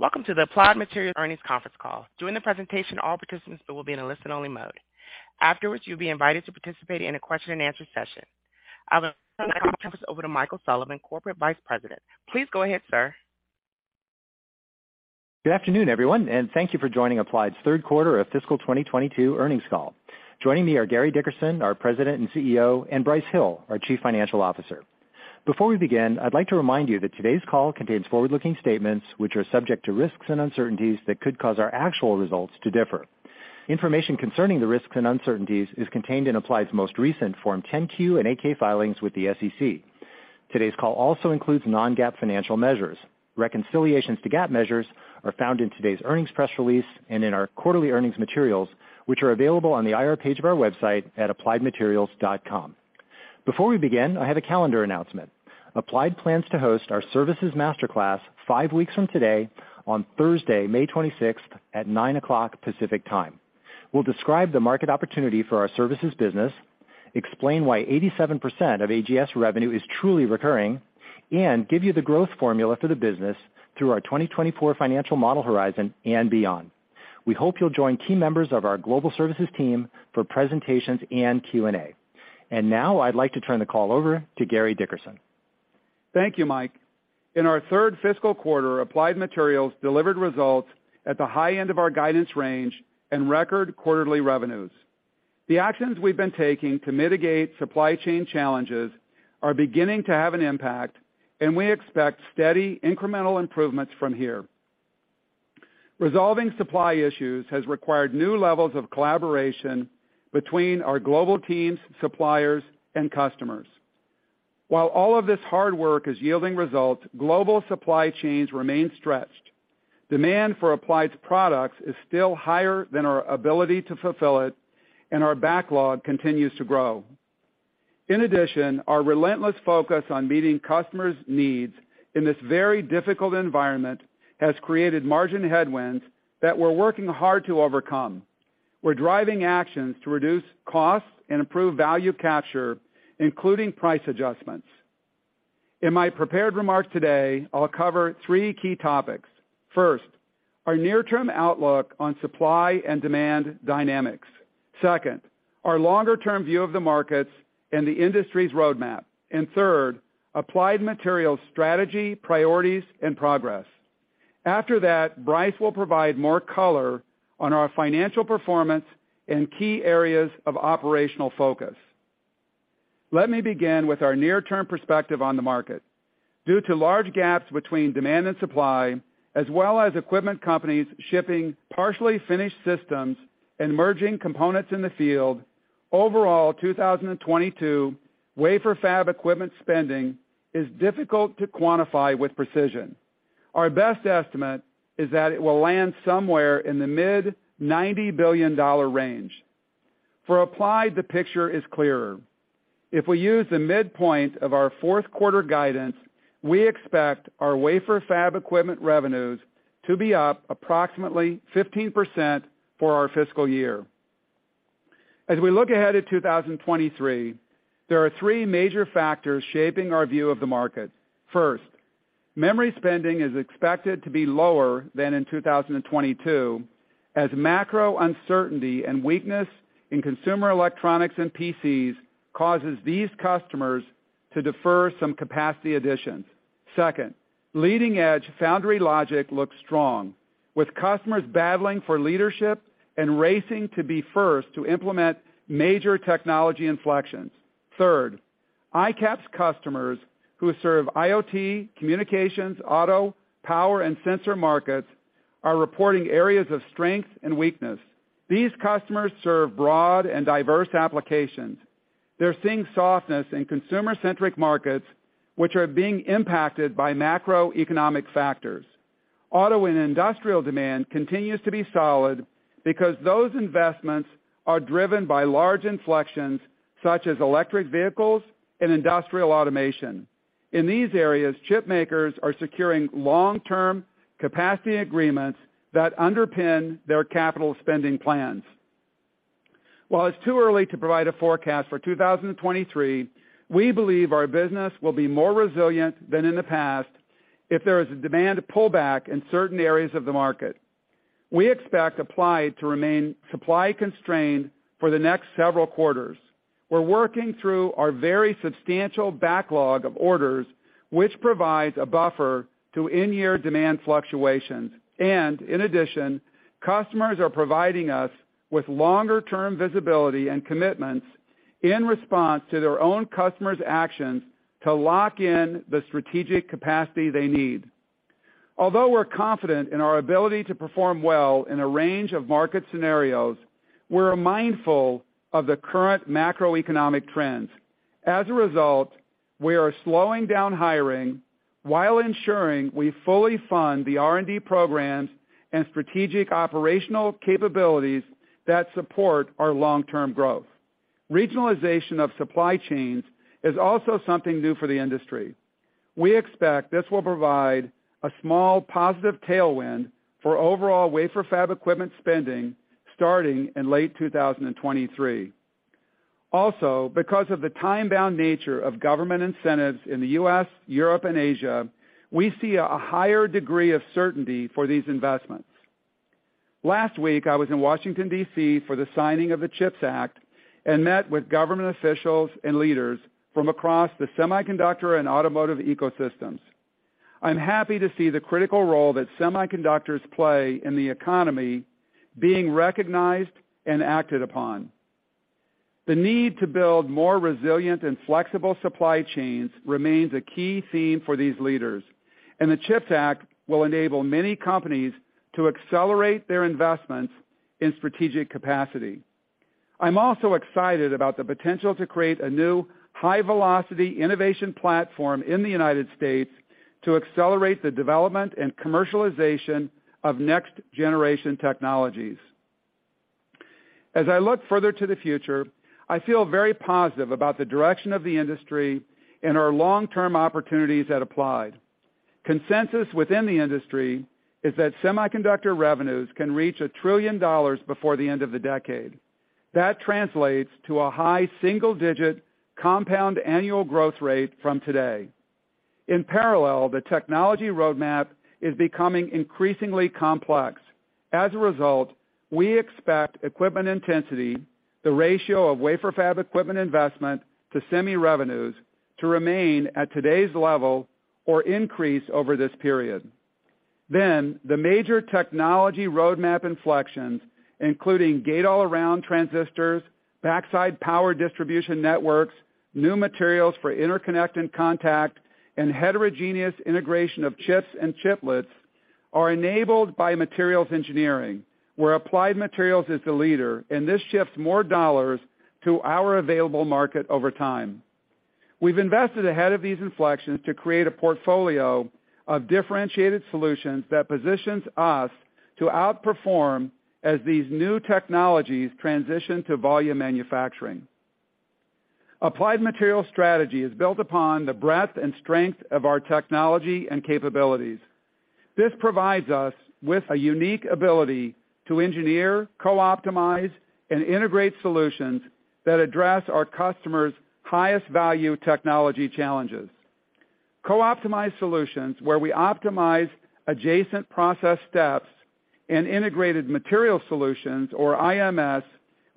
Welcome to the Applied Materials Earnings Conference Call. During the presentation, all participants will be in a listen-only mode. Afterwards, you'll be invited to participate in a Q&A session. I will now turn the conference over to Michael Sullivan, Corporate Vice President. Please go ahead, sir. Good afternoon, everyone, and thank you for joining Applied's Q3 of fiscal 2022 earnings call. Joining me are Gary Dickerson, our President and Chief Executive Officer, and Brice Hill, our Chief Financial Officer. Before we begin, I'd like to remind you that today's call contains forward-looking statements which are subject to risks and uncertainties that could cause our actual results to differ. Information concerning the risks and uncertainties is contained in Applied's most recent Form 10-Q and 8-K filings with the SEC. Today's call also includes non-GAAP financial measures. Reconciliations to GAAP measures are found in today's earnings press release and in our quarterly earnings materials, which are available on the IR page of our website at appliedmaterials.com. Before we begin, I have a calendar announcement. Applied plans to host our services master class five weeks from today on Thursday, May 26 at 9:00 A.M. Pacific Time. We'll describe the market opportunity for our services business, explain why 87% of AGS revenue is truly recurring, and give you the growth formula for the business through our 2024 financial model horizon and beyond. We hope you'll join key members of our global services team for presentations and Q&A. Now I'd like to turn the call over to Gary Dickerson. Thank you, Mike. In our third fiscal quarter, Applied Materials delivered results at the high end of our guidance range and record quarterly revenues. The actions we've been taking to mitigate supply chain challenges are beginning to have an impact, and we expect steady incremental improvements from here. Resolving supply issues has required new levels of collaboration between our global teams, suppliers, and customers. While all of this hard work is yielding results, global supply chains remain stretched. Demand for Applied's products is still higher than our ability to fulfill it, and our backlog continues to grow. In addition, our relentless focus on meeting customers' needs in this very difficult environment has created margin headwinds that we're working hard to overcome. We're driving actions to reduce costs and improve value capture, including price adjustments. In my prepared remarks today, I'll cover three key topics. First, our near-term outlook on supply and demand dynamics. Second, our longer-term view of the markets and the industry's roadmap. Third, Applied Materials' strategy, priorities, and progress. After that, Brice will provide more color on our financial performance and key areas of operational focus. Let me begin with our near-term perspective on the market. Due to large gaps between demand and supply, as well as equipment companies shipping partially finished systems and merging components in the field, overall 2022 wafer fab equipment spending is difficult to quantify with precision. Our best estimate is that it will land somewhere in the mid-$90 billion range. For Applied, the picture is clearer. If we use the midpoint of our Q4 guidance, we expect our wafer fab equipment revenues to be up approximately 15% for our fiscal year. As we look ahead at 2023, there are three major factors shaping our view of the market. First, memory spending is expected to be lower than in 2022 as macro uncertainty and weakness in consumer electronics and PCs causes these customers to defer some capacity additions. Second, leading-edge foundry logic looks strong, with customers battling for leadership and racing to be first to implement major technology inflections. Third, ICAPS customers, who serve IoT, communications, auto, power, and sensor markets, are reporting areas of strength and weakness. These customers serve broad and diverse applications. They're seeing softness in consumer-centric markets, which are being impacted by macroeconomic factors. Auto and industrial demand continues to be solid because those investments are driven by large inflections, such as electric vehicles and industrial automation. In these areas, chip makers are securing long-term capacity agreements that underpin their capital spending plans. While it's too early to provide a forecast for 2023, we believe our business will be more resilient than in the past if there is a demand pullback in certain areas of the market. We expect Applied to remain supply-constrained for the next several quarters. We're working through our very substantial backlog of orders, which provides a buffer to in-year demand fluctuations. In addition, customers are providing us with longer-term visibility and commitments in response to their own customers' actions to lock in the strategic capacity they need. Although we're confident in our ability to perform well in a range of market scenarios, we're mindful of the current macroeconomic trends. As a result, we are slowing down hiring while ensuring we fully fund the R&D programs and strategic operational capabilities that support our long-term growth. Regionalization of supply chains is also something new for the industry. We expect this will provide a small positive tailwind for overall wafer fab equipment spending starting in late 2023. Also, because of the time-bound nature of government incentives in the U.S., Europe, and Asia, we see a higher degree of certainty for these investments. Last week, I was in Washington, D.C. for the signing of the CHIPS Act and met with government officials and leaders from across the semiconductor and automotive ecosystems. I'm happy to see the critical role that semiconductors play in the economy being recognized and acted upon. The need to build more resilient and flexible supply chains remains a key theme for these leaders, and the CHIPS Act will enable many companies to accelerate their investments in strategic capacity. I'm also excited about the potential to create a new high-velocity innovation platform in the United States to accelerate the development and commercialization of next-generation technologies. As I look further to the future, I feel very positive about the direction of the industry and our long-term opportunities at Applied. Consensus within the industry is that semiconductor revenues can reach $1 trillion before the end of the decade. That translates to a high single-digit compound annual growth rate from today. In parallel, the technology roadmap is becoming increasingly complex. As a result, we expect equipment intensity, the ratio of wafer fab equipment investment to semi revenues, to remain at today's level or increase over this period. The major technology roadmap inflections, including Gate-all-around transistors, Backside power distribution networks, new materials for interconnect and contact, and Heterogeneous integration of chips and chiplets are enabled by materials engineering, where Applied Materials is the leader, and this shifts more dollars to our available market over time. We've invested ahead of these inflections to create a portfolio of differentiated solutions that positions us to outperform as these new technologies transition to volume manufacturing. Applied Materials' strategy is built upon the breadth and strength of our technology and capabilities. This provides us with a unique ability to engineer, co-optimize, and integrate solutions that address our customers' highest value technology challenges. Co-optimized solutions, where we optimize adjacent process steps, and integrated material solutions, or IMS,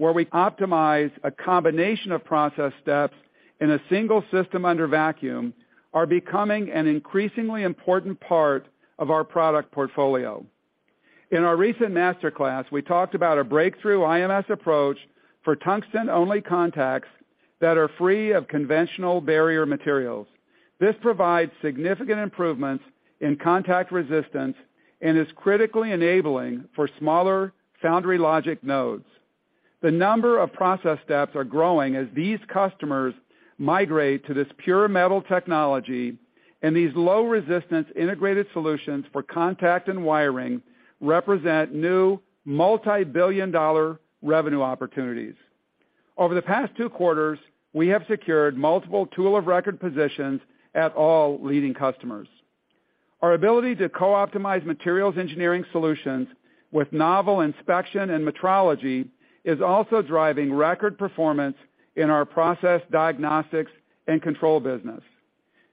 where we optimize a combination of process steps in a single system under vacuum, are becoming an increasingly important part of our product portfolio. In our recent master class, we talked about a breakthrough IMS approach for tungsten-only contacts that are free of conventional barrier materials. This provides significant improvements in contact resistance and is critically enabling for smaller foundry logic nodes. The number of process steps are growing as these customers migrate to this pure metal technology, and these low-resistance integrated solutions for contact and wiring represent new multibillion-dollar revenue opportunities. Over the past two quarters, we have secured multiple tool of record positions at all leading customers. Our ability to co-optimize materials engineering solutions with novel inspection and metrology is also driving record performance in our process diagnostics and control business.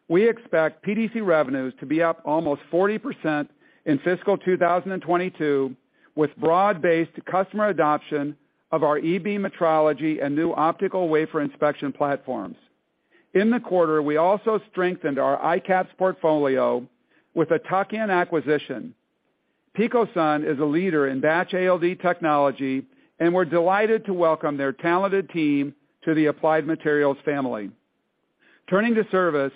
We expect PDC revenues to be up almost 40% in fiscal 2022, with broad-based customer adoption of our eBeam metrology and new optical wafer inspection platforms. In the quarter, we also strengthened our ICAPS portfolio with a tuck-in acquisition. Picosun is a leader in batch ALD technology, and we're delighted to welcome their talented team to the Applied Materials family. Turning to service,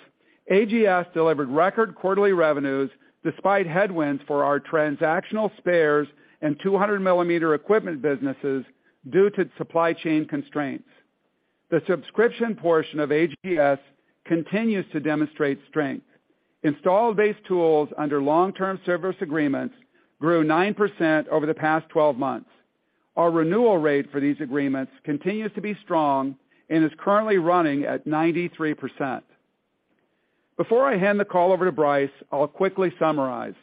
AGS delivered record quarterly revenues despite headwinds for our transactional spares and 200 mm equipment businesses due to supply chain constraints. The subscription portion of AGS continues to demonstrate strength. Installed base tools under long-term service agreements grew 9% over the past 12 months. Our renewal rate for these agreements continues to be strong and is currently running at 93%. Before I hand the call over to Brice, I'll quickly summarize.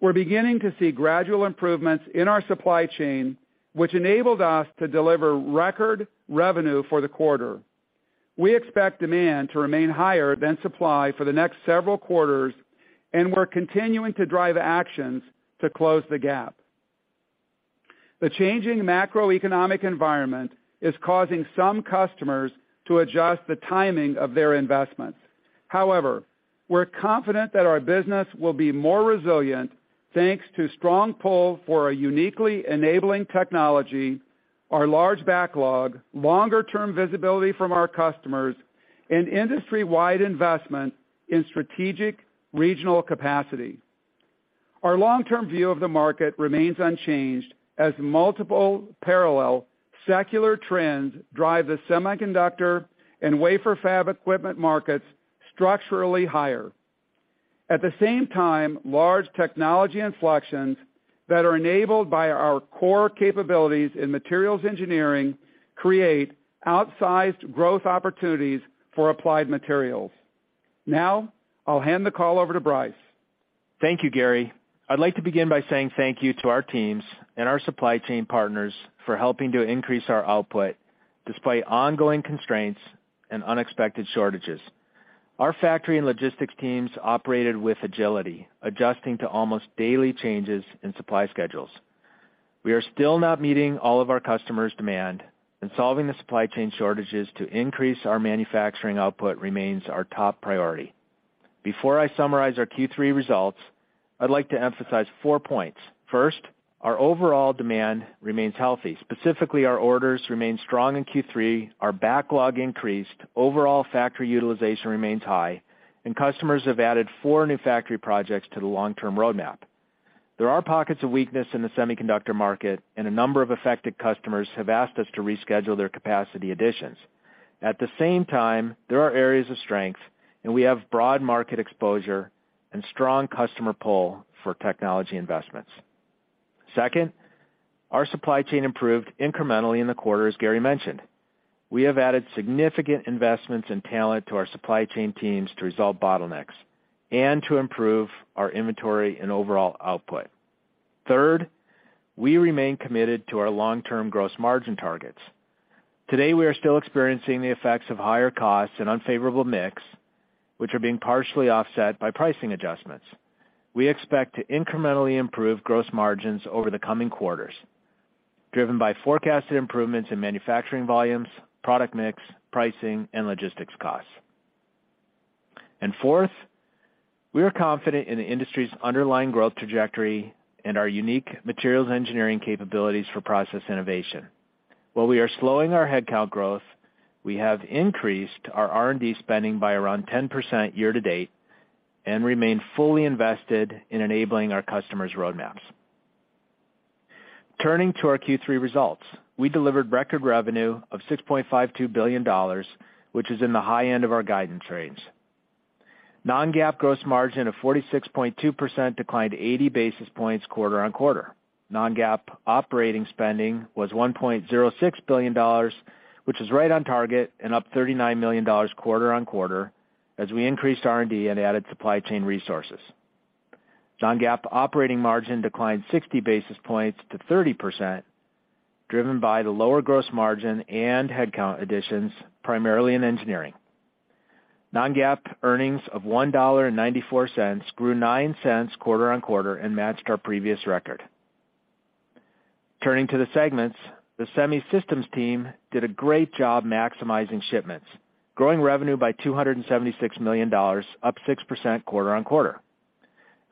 We're beginning to see gradual improvements in our supply chain, which enabled us to deliver record revenue for the quarter. We expect demand to remain higher than supply for the next several quarters, and we're continuing to drive actions to close the gap. The changing macroeconomic environment is causing some customers to adjust the timing of their investments. However, we're confident that our business will be more resilient, thanks to strong pull for a uniquely enabling technology, our large backlog, longer-term visibility from our customers, and industry-wide investment in strategic regional capacity. Our long-term view of the market remains unchanged as multiple parallel secular trends drive the semiconductor and wafer fab equipment markets structurally higher. At the same time, large technology inflections that are enabled by our core capabilities in materials engineering create outsized growth opportunities for Applied Materials. Now, I'll hand the call over to Brice. Thank you, Gary. I'd like to begin by saying thank you to our teams and our supply chain partners for helping to increase our output despite ongoing constraints and unexpected shortages. Our factory and logistics teams operated with agility, adjusting to almost daily changes in supply schedules. We are still not meeting all of our customers' demand, and solving the supply chain shortages to increase our manufacturing output remains our top priority. Before I summarize our Q3 results, I'd like to emphasize four points. First, our overall demand remains healthy. Specifically, our orders remained strong in Q3, our backlog increased, overall factory utilization remains high, and customers have added four new factory projects to the long-term roadmap. There are pockets of weakness in the semiconductor market, and a number of affected customers have asked us to reschedule their capacity additions. At the same time, there are areas of strength, and we have broad market exposure and strong customer pull for technology investments. Second, our supply chain improved incrementally in the quarter, as Gary mentioned. We have added significant investments and talent to our supply chain teams to resolve bottlenecks and to improve our inventory and overall output. Third, we remain committed to our long-term gross margin targets. Today, we are still experiencing the effects of higher costs and unfavorable mix, which are being partially offset by pricing adjustments. We expect to incrementally improve gross margins over the coming quarters, driven by forecasted improvements in manufacturing volumes, product mix, pricing, and logistics costs. Fourth, we are confident in the industry's underlying growth trajectory and our unique materials engineering capabilities for process innovation. While we are slowing our headcount growth, we have increased our R&D spending by around 10% year-to-date and remain fully invested in enabling our customers' roadmaps. Turning to our Q3 results. We delivered record revenue of $6.52 billion, which is in the high end of our guidance range. Non-GAAP gross margin of 46.2% declined 80 basis points quarter-on-quarter. Non-GAAP operating spending was $1.06 billion, which is right on target and up $39 million quarter-on-quarter as we increased R&D and added supply chain resources. Non-GAAP operating margin declined 60 basis points to 30%, driven by the lower gross margin and headcount additions, primarily in engineering. Non-GAAP earnings of $1.94 grew $0.09 quarter-on-quarter and matched our previous record. Turning to the segments, the Semiconductor Systems team did a great job maximizing shipments, growing revenue by $276 million, up 6% quarter-over-quarter.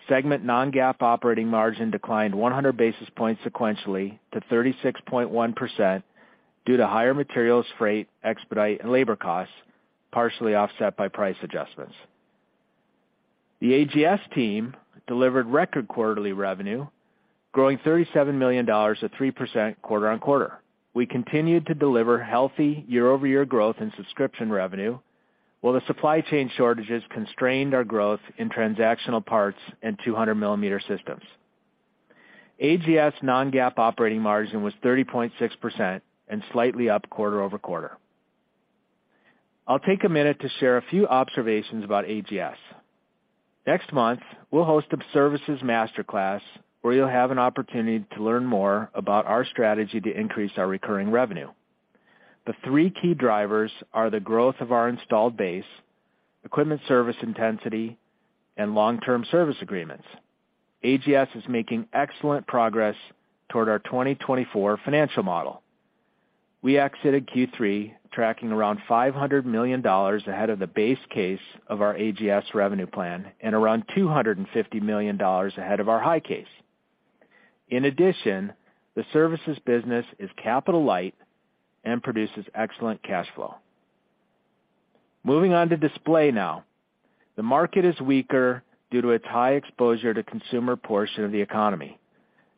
Segment non-GAAP operating margin declined 100 basis points sequentially to 36.1% due to higher materials, freight, expedite, and labor costs, partially offset by price adjustments. The AGS team delivered record quarterly revenue, growing $37 million at 3% quarter-over-quarter. We continued to deliver healthy year-over-year growth in subscription revenue, while the supply chain shortages constrained our growth in transactional parts and 200-mm systems. AGS non-GAAP operating margin was 30.6% and slightly up quarter-over-quarter. I'll take a minute to share a few observations about AGS. Next month, we'll host a services master class where you'll have an opportunity to learn more about our strategy to increase our recurring revenue. The three key drivers are the growth of our installed base, equipment service intensity, and long-term service agreements. AGS is making excellent progress toward our 2024 financial model. We exited Q3 tracking around $500 million ahead of the base case of our AGS revenue plan and around $250 million ahead of our high case. In addition, the services business is capital light and produces excellent cash flow. Moving on to display now. The market is weaker due to its high exposure to consumer portion of the economy.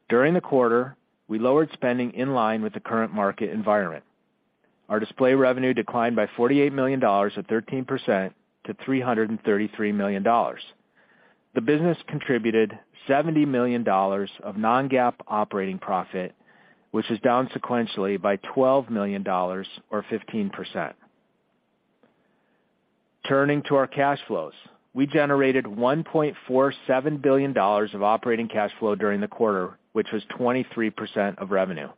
During the quarter, we lowered spending in line with the current market environment. Our display revenue declined by $48 million or 13% to $333 million. The business contributed $70 million of non-GAAP operating profit, which is down sequentially by $12 million or 15%. Turning to our cash flows. We generated $1.47 billion of operating cash flow during the quarter, which was 23% of revenue.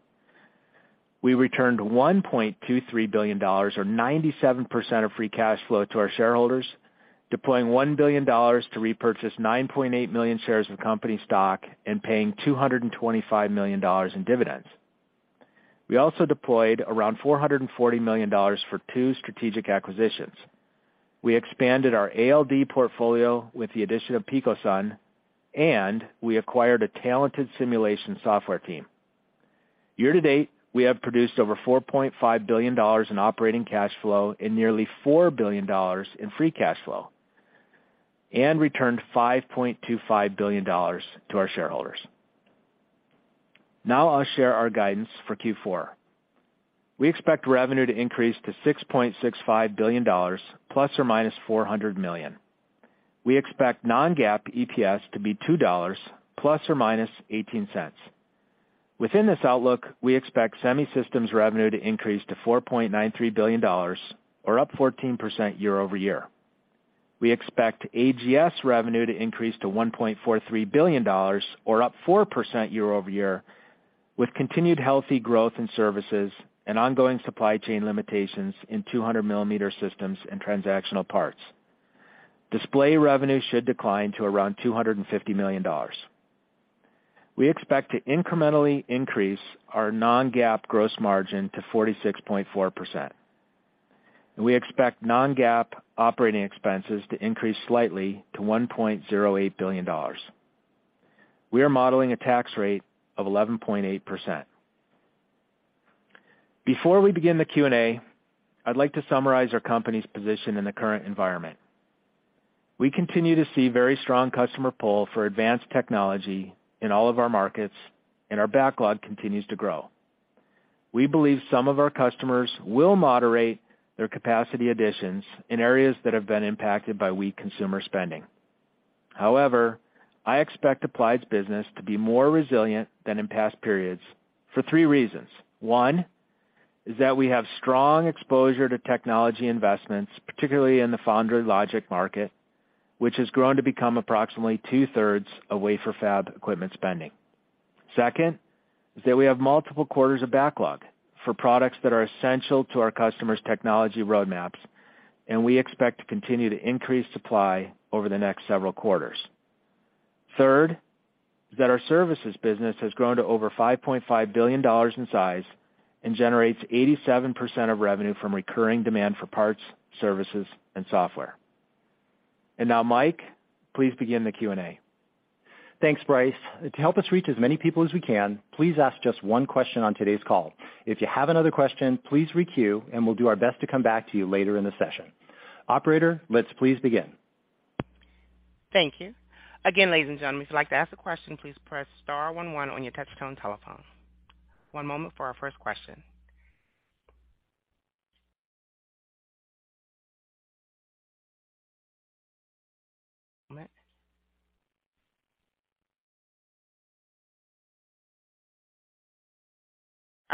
We returned $1.23 billion or 97% of free cash flow to our shareholders, deploying $1 billion to repurchase 9.8 million shares of company stock and paying $225 million in dividends. We also deployed around $440 million for two strategic acquisitions. We expanded our ALD portfolio with the addition of Picosun, and we acquired a talented simulation software team. Year to date, we have produced over $4.5 billion in operating cash flow and nearly $4 billion in free cash flow and returned $5.25 billion to our shareholders. Now I'll share our guidance for Q4. We expect revenue to increase to $6.65 billion ± $400 million. We expect non-GAAP EPS to be $2 ± 0.18. Within this outlook, we expect Semiconductor Systems revenue to increase to $4.93 billion or up 14% year-over-year. We expect AGS revenue to increase to $1.43 billion or up 4% year-over-year, with continued healthy growth in services and ongoing supply chain limitations in 200 mm systems and transactional parts. Display revenue should decline to around $250 million. We expect to incrementally increase our non-GAAP gross margin to 46.4%, and we expect non-GAAP operating expenses to increase slightly to $1.08 billion. We are modeling a tax rate of 11.8%. Before we begin the Q&A, I'd like to summarize our company's position in the current environment. We continue to see very strong customer pull for advanced technology in all of our markets, and our backlog continues to grow. We believe some of our customers will moderate their capacity additions in areas that have been impacted by weak consumer spending. However, I expect Applied's business to be more resilient than in past periods for 3 reasons. 1, is that we have strong exposure to technology investments, particularly in the foundry logic market, which has grown to become approximately 2/3 of wafer fab equipment spending. Second, is that we have multiple quarters of backlog for products that are essential to our customers' technology roadmaps, and we expect to continue to increase supply over the next several quarters. Third, is that our services business has grown to over $5.5 billion in size and generates 87% of revenue from recurring demand for parts, services, and software. Now, Mike, please begin the Q&A. Thanks, Brice. To help us reach as many people as we can, please ask just one question on today's call. If you have another question, please re-queue, and we'll do our best to come back to you later in the session. Operator, let's please begin. Thank you. Again, ladies and gentlemen, if you'd like to ask a question, please press star one one on your touchtone telephone. One moment for our first question.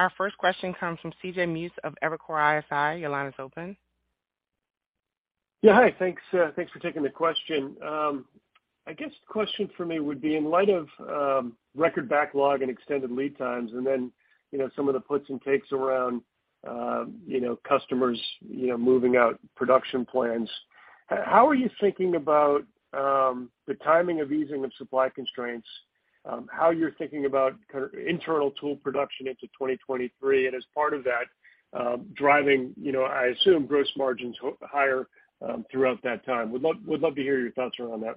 Our first question comes from CJ Muse of Evercore ISI. Your line is open. Yeah. Hi. Thanks for taking the question. I guess the question for me would be in light of record backlog and extended lead times, and then, you know, some of the puts and takes around, you know, customers, you know, moving out production plans, how are you thinking about the timing of easing of supply constraints, how you're thinking about kind of internal tool production into 2023, and as part of that, driving, you know, I assume gross margins higher throughout that time? Would love to hear your thoughts around that.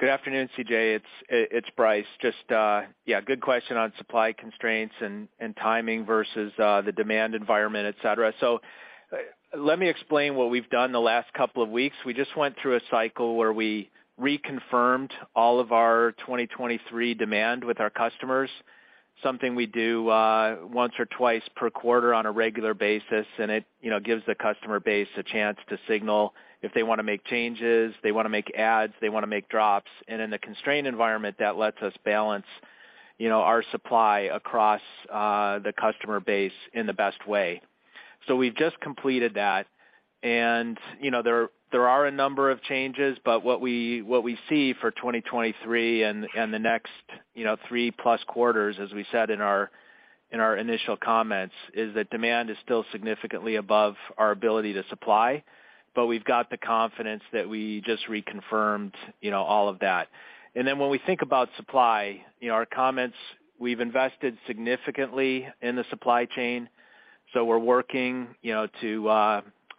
Good afternoon, CJ. It's Brice. Just yeah, good question on supply constraints and timing versus the demand environment, etc. Let me explain what we've done the last couple of weeks. We just went through a cycle where we reconfirmed all of our 2023 demand with our customers, something we do once or twice per quarter on a regular basis, and it you know, gives the customer base a chance to signal if they wanna make changes, they wanna make adds, they wanna make drops. In a constrained environment, that lets us balance you know, our supply across the customer base in the best way. We've just completed that. You know, there are a number of changes, but what we see for 2023 and the next, you know, +3 quarters, as we said in our initial comments, is that demand is still significantly above our ability to supply, but we've got the confidence that we just reconfirmed, you know, all of that. When we think about supply, you know, our comments, we've invested significantly in the supply chain, so we're working, you know, to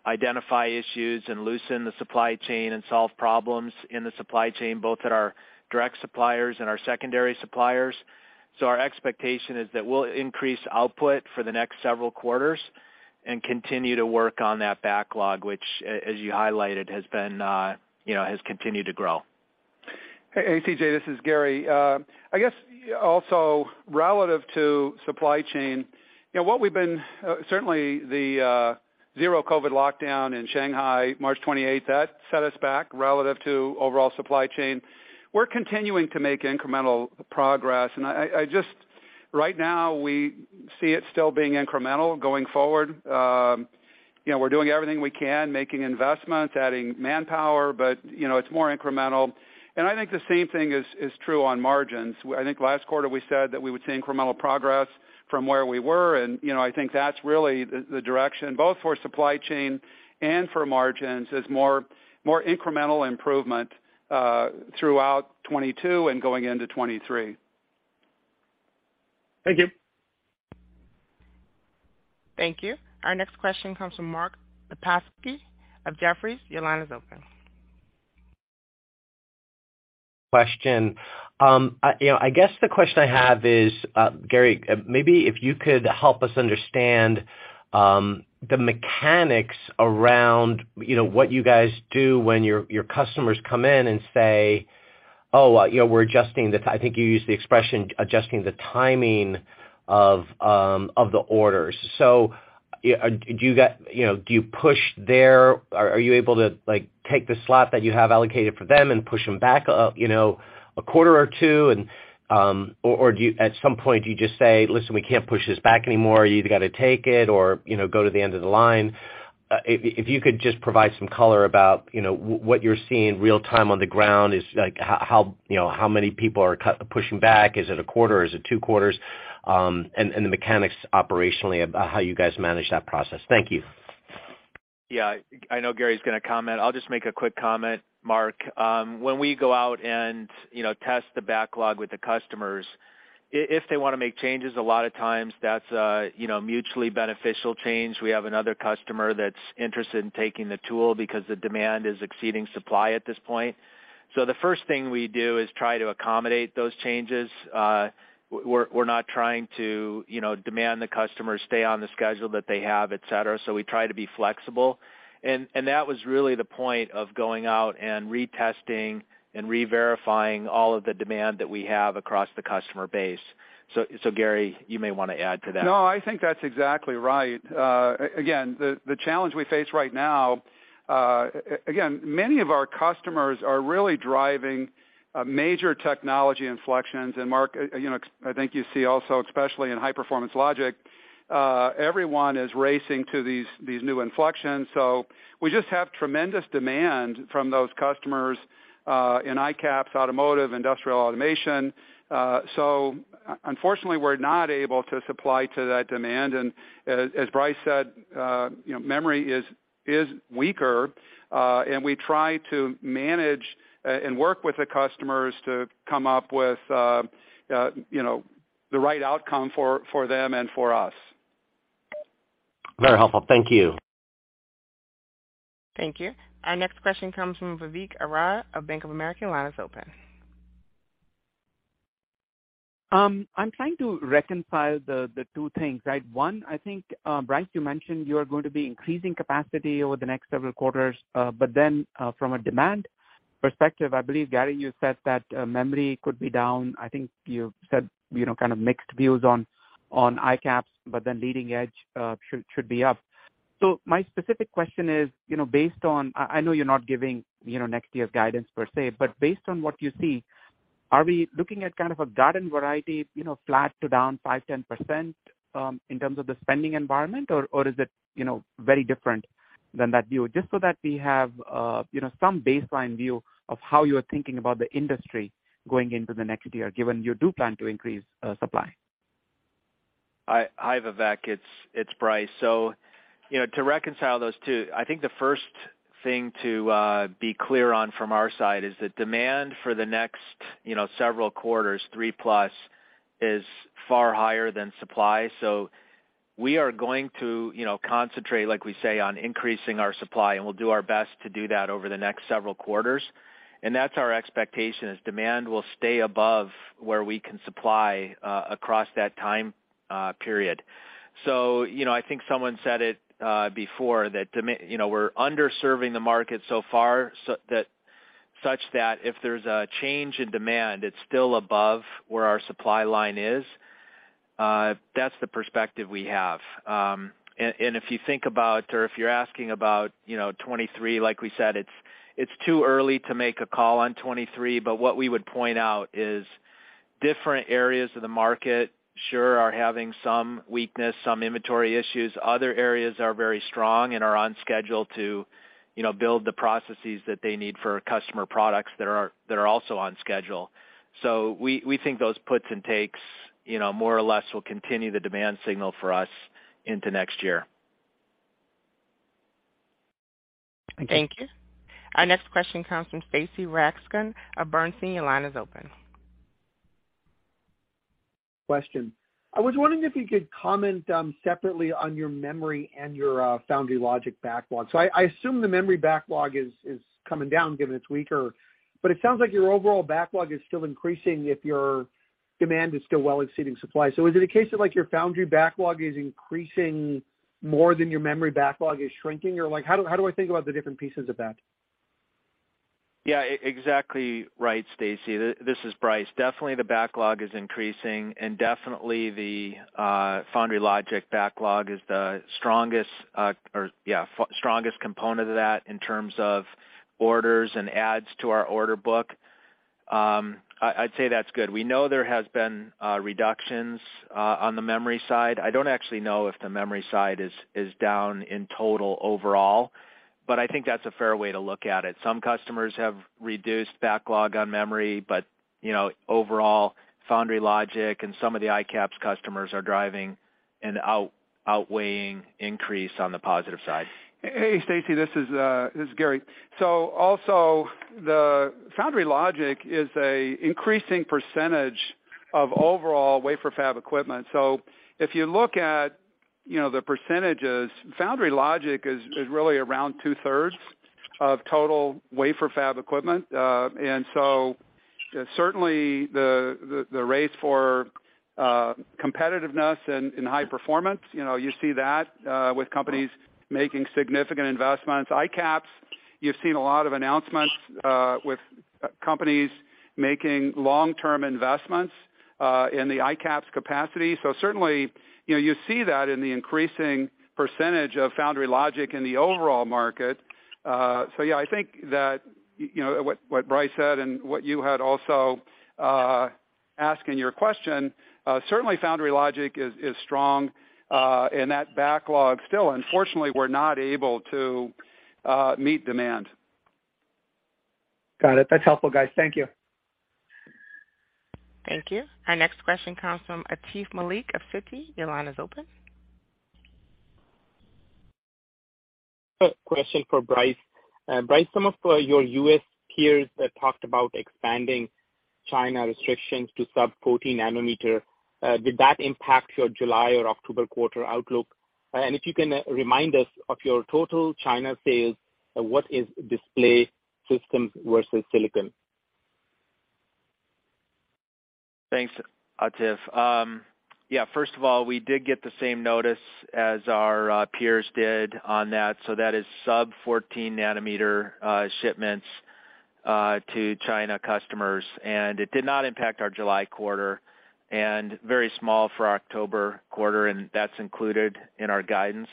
identify issues and loosen the supply chain and solve problems in the supply chain, both at our direct suppliers and our secondary suppliers. Our expectation is that we'll increase output for the next several quarters and continue to work on that backlog, which as you highlighted, has continued to grow. Hey, CJ, this is Gary. I guess also relative to supply chain, you know. Certainly the zero COVID lockdown in Shanghai, March twenty-eighth, that set us back relative to overall supply chain. We're continuing to make incremental progress. Right now, we see it still being incremental going forward. You know, we're doing everything we can, making investments, adding manpower, but, you know, it's more incremental. I think the same thing is true on margins. I think last quarter we said that we would see incremental progress from where we were. You know, I think that's really the direction both for supply chain and for margins is more incremental improvement throughout 2022 and going into 2023. Thank you. Thank you. Our next question comes from Mark Lipacis of Jefferies. Your line is open. Question. You know, I guess the question I have is, Gary, maybe if you could help us understand the mechanics around, you know, what you guys do when your customers come in and say, "Oh, you know, we're adjusting the." I think you used the expression, adjusting the timing of of the orders. So yeah, do you got, you know, do you push their. Are you able to, like, take the slot that you have allocated for them and push them back up, you know, a quarter or two and. Or do you at some point do you just say, "Listen, we can't push this back anymore. You either gotta take it or, you know, go to the end of the line. If you could just provide some color about, you know, what you're seeing real-time on the ground, is like how, you know, how many people are pushing back? Is it a quarter? Is it two quarters? The mechanics operationally about how you guys manage that process. Thank you. Yeah. I know Gary's gonna comment. I'll just make a quick comment, Mark. When we go out and, you know, test the backlog with the customers, if they wanna make changes, a lot of times that's a, you know, mutually beneficial change. We have another customer that's interested in taking the tool because the demand is exceeding supply at this point. The first thing we do is try to accommodate those changes. We're not trying to, you know, demand the customer stay on the schedule that they have, et cetera, so we try to be flexible. That was really the point of going out and retesting and reverifying all of the demand that we have across the customer base. Gary, you may wanna add to that. No, I think that's exactly right. Again, the challenge we face right now, again, many of our customers are really driving major technology inflections. Mark, you know, I think you see also, especially in high-performance logic, everyone is racing to these new inflections. We just have tremendous demand from those customers in ICAPS, automotive, industrial automation. Unfortunately, we're not able to supply to that demand. As Brice said, you know, memory is weaker. We try to manage and work with the customers to come up with you know, the right outcome for them and for us. Very helpful. Thank you. Thank you. Our next question comes from Vivek Arya of Bank of America. Line is open. I'm trying to reconcile the two things, right? One, I think, Brice, you mentioned you are going to be increasing capacity over the next several quarters. But then, from a demand perspective, I believe, Gary, you said that memory could be down. I think you said, you know, kind of mixed views on ICAPS, but then leading edge should be up. My specific question is, you know, based on—I know you're not giving, you know, next year's guidance per se, but based on what you see, are we looking at kind of a garden variety, you know, flat to down 5%-10%, in terms of the spending environment, or is it, you know, very different than that view? Just so that we have, you know, some baseline view of how you're thinking about the industry going into the next year, given you do plan to increase supply. Hi, Vivek. It's Brice. You know, to reconcile those two, I think the first thing to be clear on from our side is that demand for the next, you know, several quarters, +3, is far higher than supply. We are going to, you know, concentrate, like we say, on increasing our supply, and we'll do our best to do that over the next several quarters. That's our expectation, is demand will stay above where we can supply across that time period. You know, I think someone said it before that, you know, we're underserving the market so far, that such that if there's a change in demand, it's still above where our supply line is. That's the perspective we have. If you think about or if you're asking about, you know, 2023, like we said, it's too early to make a call on 2023. What we would point out is different areas of the market sure are having some weakness, some inventory issues. Other areas are very strong and are on schedule to, you know, build the processes that they need for customer products that are also on schedule. We think those puts and takes, you know, more or less will continue the demand signal for us into next year. Thank you. Thank you. Our next question comes from Stacy Rasgon of Bernstein. Your line is open. I was wondering if you could comment separately on your memory and your foundry logic backlog. I assume the memory backlog is coming down given it's weaker, but it sounds like your overall backlog is still increasing if your demand is still well exceeding supply. Is it a case of like your foundry backlog is increasing more than your memory backlog is shrinking? Or like how do I think about the different pieces of that? Yeah. Exactly right, Stacy. This is Brice. Definitely the backlog is increasing and definitely the foundry logic backlog is the strongest component of that in terms of orders and adds to our order book. I'd say that's good. We know there has been reductions on the memory side. I don't actually know if the memory side is down in total overall, but I think that's a fair way to look at it. Some customers have reduced backlog on memory, but you know, overall foundry logic and some of the ICAPS customers are driving an outweighing increase on the positive side. Hey, Stacy, this is Gary. Also the foundry logic is an increasing percentage of overall wafer fab equipment. If you look at, you know, the percentages, foundry logic is really around two-thirds of total wafer fab equipment. Certainly the race for competitiveness and high performance, you know, you see that with companies making significant investments. ICAPS, you've seen a lot of announcements with companies making long-term investments in the ICAPS capacity. Certainly, you know, you see that in the increasing percentage of foundry logic in the overall market. Yeah, I think that, you know, what Brice said and what you had also asked in your question, certainly foundry logic is strong in that backlog. Still, unfortunately, we're not able to meet demand. Got it. That's helpful, guys. Thank you. Thank you. Our next question comes from Atif Malik of Citi. Your line is open. A question for Brice. Brice, some of your U.S. peers have talked about expanding China restrictions to sub-14 nm. Did that impact your July or October quarter outlook? If you can remind us of your total China sales, what is display systems versus silicon? Thanks, Atif. Yeah, first of all, we did get the same notice as our peers did on that, so that is sub-14 nm shipments to China customers. It did not impact our July quarter and very small for our October quarter, and that's included in our guidance.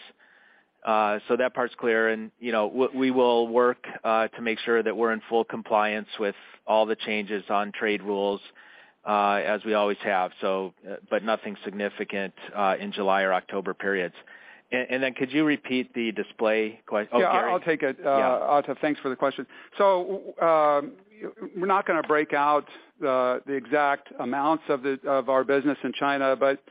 That part's clear. You know, we will work to make sure that we're in full compliance with all the changes on trade rules, as we always have, but nothing significant in July or October periods. Could you repeat the display question, oh, Gary? Yeah, I'll take it. Yeah. Atif, thanks for the question. We're not gonna break out the exact amounts of our business in China, but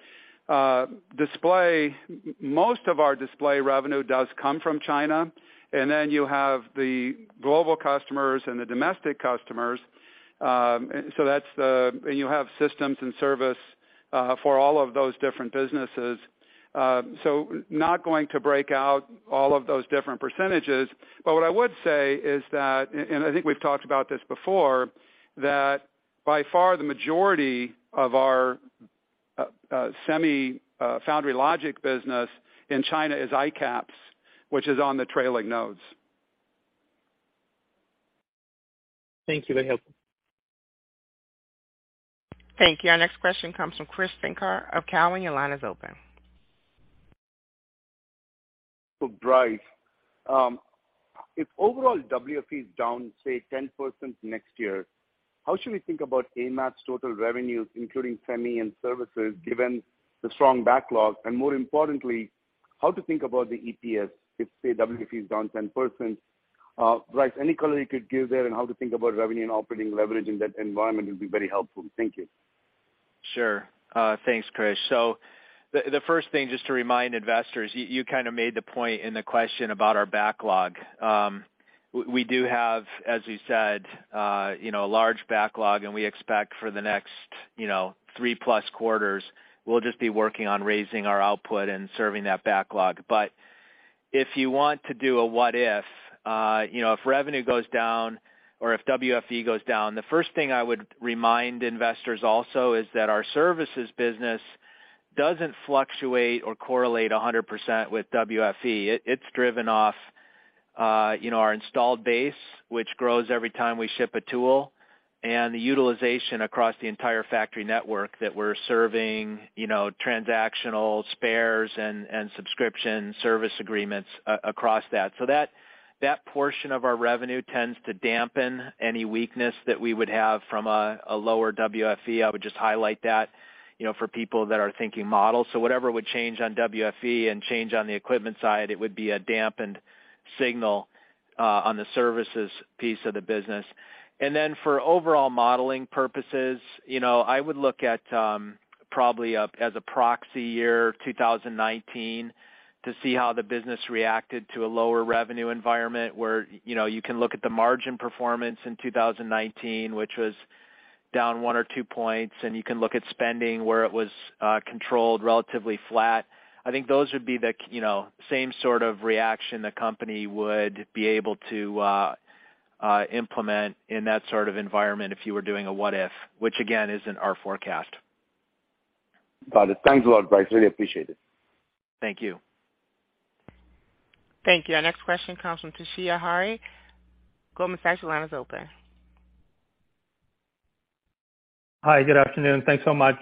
most of our display revenue does come from China. You have the global customers and the domestic customers, and you have systems and service for all of those different businesses. Not going to break out all of those different percentages, but what I would say is that I think we've talked about this before, that by far the majority of our semi foundry logic business in China is ICAPS, which is on the trailing nodes. Thank you. Very helpful. Thank you. Our next question comes from Krish Sankar of Cowen. Your line is open. For Brice. If overall WFE is down, say, 10% next year, how should we think about AMAT's total revenues, including semi and services, given the strong backlog? More importantly, how to think about the EPS if, say, WFE is down 10%? Brice, any color you could give there on how to think about revenue and operating leverage in that environment would be very helpful. Thank you. Sure. Thanks, Krish. The first thing, just to remind investors, you kind of made the point in the question about our backlog. We do have, as you said, you know, a large backlog, and we expect for the next, you know, three-plus quarters, we'll just be working on raising our output and serving that backlog. But if you want to do a what if, you know, if revenue goes down or if WFE goes down, the first thing I would remind investors also is that our services business doesn't fluctuate or correlate 100% with WFE. It's driven off, you know, our installed base, which grows every time we ship a tool, and the utilization across the entire factory network that we're serving, you know, transactional spares and subscription service agreements across that. That portion of our revenue tends to dampen any weakness that we would have from a lower WFE. I would just highlight that, you know, for people that are thinking models. Whatever would change on WFE and change on the equipment side, it would be a dampened signal on the services piece of the business. For overall modeling purposes, you know, I would look at probably 2019 as a proxy year, 2019, to see how the business reacted to a lower revenue environment where, you know, you can look at the margin performance in 2019, which was down one or two points, and you can look at spending where it was controlled relatively flat. I think those would be the key, you know, same sort of reaction the company would be able to implement in that sort of environment if you were doing a what if, which again, isn't our forecast. Got it. Thanks a lot, Brice. Really appreciate it. Thank you. Thank you. Our next question comes from Toshiya Hari, Goldman Sachs. Your line is open. Hi. Good afternoon. Thanks so much.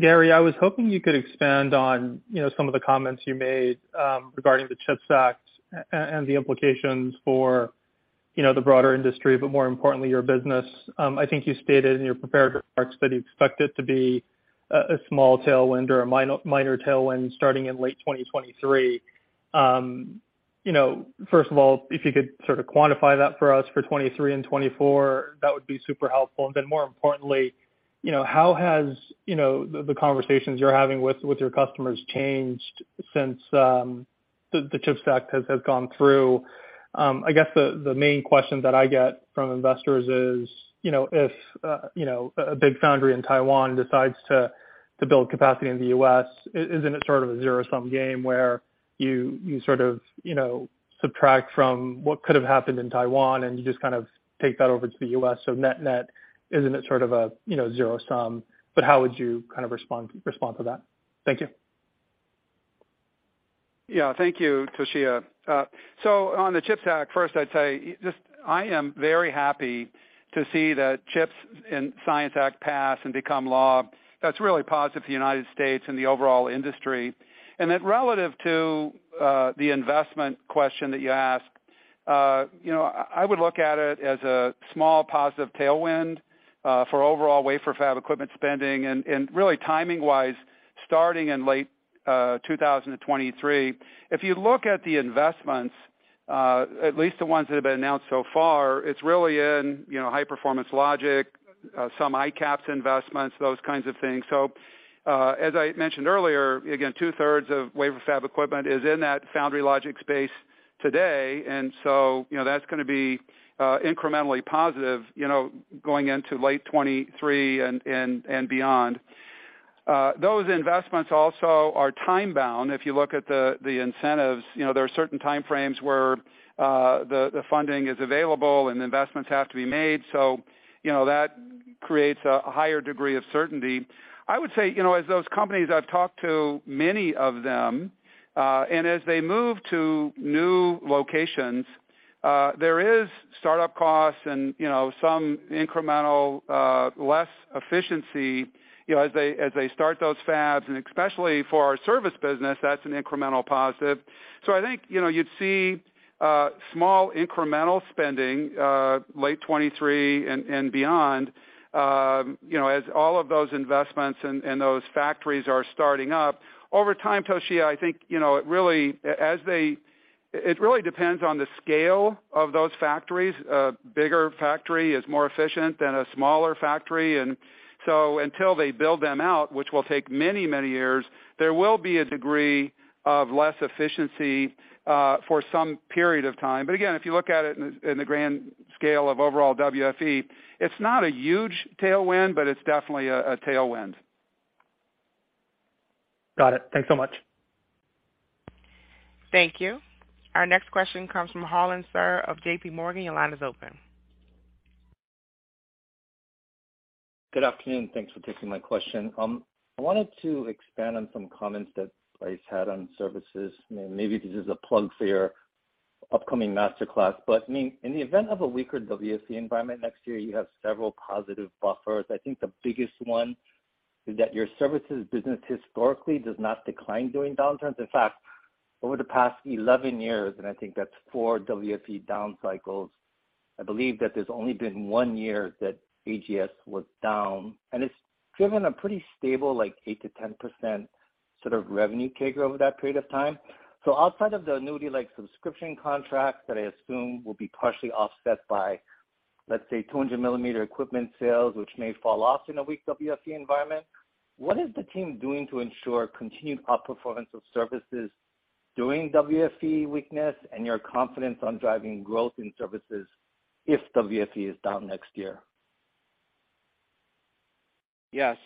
Gary, I was hoping you could expand on, you know, some of the comments you made, regarding the CHIPS Act and the implications for, you know, the broader industry, but more importantly, your business. I think you stated in your prepared remarks that you expect it to be a small tailwind or a minor tailwind starting in late 2023. You know, first of all, if you could sort of quantify that for us for 2023 and 2024, that would be super helpful. Then more importantly, you know, how has the conversations you're having with your customers changed since the CHIPS Act has gone through? I guess the main question that I get from investors is, you know, if you know a big foundry in Taiwan decides to build capacity in the U.S., isn't it sort of a zero-sum game where you sort of you know subtract from what could have happened in Taiwan and you just kind of take that over to the U.S., so net-net, isn't it sort of a you know zero sum? How would you kind of respond to that? Thank you. Yeah. Thank you, Toshiya. On the CHIPS Act, first, I'd say just I am very happy to see that CHIPS and Science Act pass and become law. That's really positive for the United States and the overall industry. Relative to the investment question that you asked, you know, I would look at it as a small positive tailwind for overall wafer fab equipment spending and really timing wise, starting in late 2023. If you look at the investments, at least the ones that have been announced so far, it's really in, you know, high-performance logic, some ICAPS investments, those kinds of things. As I mentioned earlier, again, 2/3 of wafer fab equipment is in that foundry logic space today, and so, you know, that's gonna be incrementally positive, you know, going into late 2023 and beyond. Those investments also are time-bound. If you look at the incentives, you know, there are certain time frames where the funding is available and investments have to be made. So, you know, that creates a higher degree of certainty. I would say, you know, as those companies I've talked to many of them, and as they move to new locations, there is startup costs and, you know, some incremental less efficiency, you know, as they start those fabs, and especially for our service business, that's an incremental positive. I think, you know, you'd see small incremental spending late 2023 and beyond, you know, as all of those investments and those factories are starting up. Over time, Toshiya, I think, you know, it really depends on the scale of those factories. A bigger factory is more efficient than a smaller factory. Until they build them out, which will take many years, there will be a degree of less efficiency for some period of time. Again, if you look at it in the grand scale of overall WFE, it's not a huge tailwind, but it's definitely a tailwind. Got it. Thanks so much. Thank you. Our next question comes from Harlan Sur of JPMorgan. Your line is open. Good afternoon. Thanks for taking my question. I wanted to expand on some comments that Brice had on services. Maybe this is a plug for your upcoming Masterclass, but, I mean, in the event of a weaker WFE environment next year, you have several positive buffers. I think the biggest one is that your services business historically does not decline during downturns. In fact, over the past 11 years, and I think that's four WFE down cycles, I believe that there's only been one year that AGS was down, and it's driven a pretty stable, like 8%-10% sort of revenue take rate over that period of time. Outside of the annuity-like subscription contracts that I assume will be partially offset by, let's say, 200 mm equipment sales, which may fall off in a weak WFE environment, what is the team doing to ensure continued outperformance of services during WFE weakness and your confidence on driving growth in services if WFE is down next year? Yes.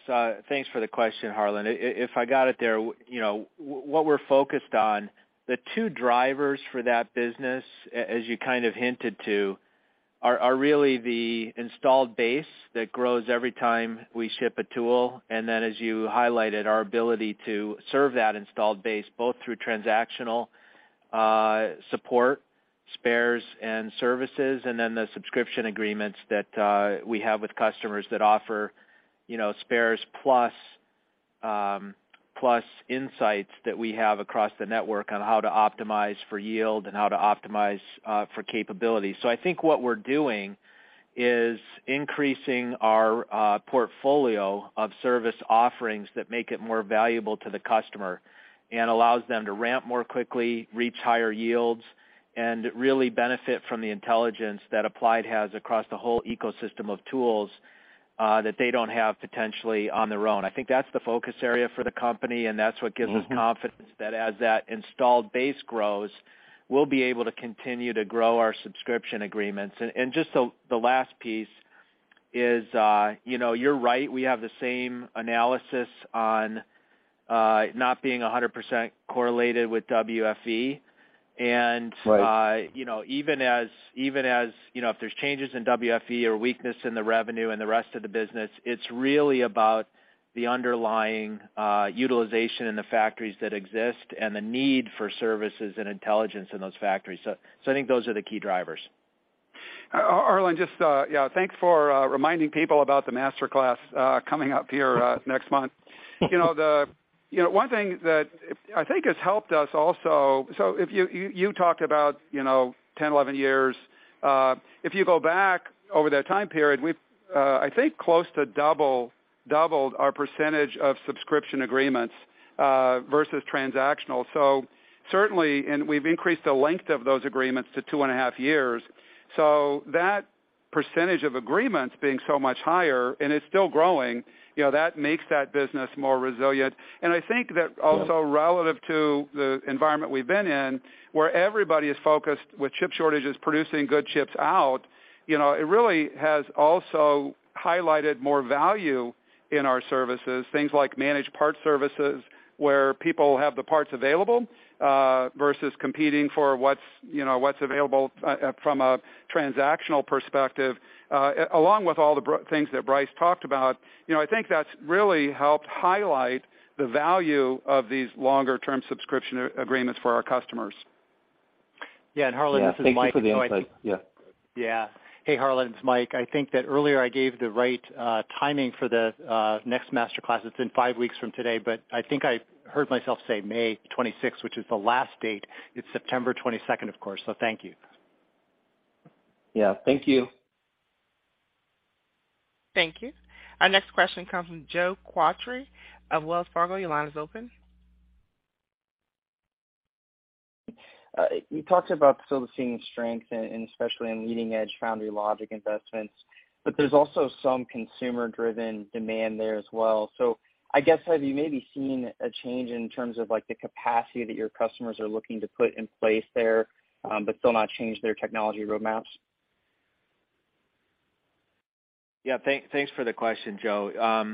Thanks for the question, Harlan. If I got it right, you know, what we're focused on, the two drivers for that business, as you kind of hinted to, are really the installed base that grows every time we ship a tool, and then as you highlighted, our ability to serve that installed base, both through transactional support, spares and services, and then the subscription agreements that we have with customers that offer, you know, spares plus insights that we have across the network on how to optimize for yield and how to optimize for capability. I think what we're doing is increasing our portfolio of service offerings that make it more valuable to the customer and allows them to ramp more quickly, reach higher yields, and really benefit from the intelligence that Applied has across the whole ecosystem of tools that they don't have potentially on their own. I think that's the focus area for the company, and that's what gives us confidence that as that installed base grows, we'll be able to continue to grow our subscription agreements. Just the last piece is, you know, you're right, we have the same analysis on not being 100% correlated with WFE. Right. You know, even as, you know, if there's changes in WFE or weakness in the revenue and the rest of the business, it's really about the underlying utilization in the factories that exist and the need for services and intelligence in those factories. I think those are the key drivers. Harlan, just yeah, thanks for reminding people about the Masterclass coming up here next month. You know, one thing that I think has helped us also, so if you talked about, you know, 10, 11 years, if you go back over that time period, we've, I think, close to doubled our percentage of subscription agreements versus transactional. Certainly, and we've increased the length of those agreements to two and a half years. That percentage of agreements being so much higher, and it's still growing, you know, that makes that business more resilient. I think that also relative to the environment we've been in, where everybody is focused with chip shortages producing good chips out, you know, it really has also highlighted more value in our services, things like managed parts services, where people have the parts available, versus competing for what's, you know, what's available, from a transactional perspective, along with all the things that Brice talked about. You know, I think that's really helped highlight the value of these longer-term subscription agreements for our customers. Yeah, Harlan, this is Mike. Thank you for the insight. Yeah. Yeah. Hey, Harlan, it's Mike. I think that earlier I gave the right timing for the next master class. It's in five weeks from today, but I think I heard myself say May 26th, which is the last date. It's September 22nd, of course. Thank you. Yeah, thank you. Thank you. Our next question comes from Joe Quatrochi of Wells Fargo. Your line is open. You talked about still seeing strength, and especially in leading-edge foundry logic investments, but there's also some consumer-driven demand there as well. I guess, have you maybe seen a change in terms of, like, the capacity that your customers are looking to put in place there, but still not change their technology roadmaps? Yeah. Thanks for the question, Joe.